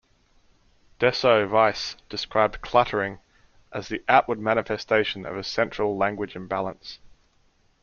Deso Weiss described cluttering as the outward manifestation of a central language imbalance.